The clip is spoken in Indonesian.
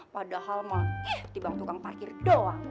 padahal mah ih dibang tukang parkir doang